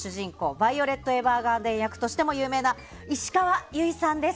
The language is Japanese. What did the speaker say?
ヴァイオレット・エヴァーガーデン役として有名な石川由依さんです。